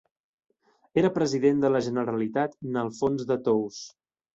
Era President de la Generalitat n'Alfons de Tous.